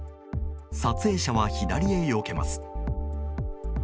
撮影者は左へよけます。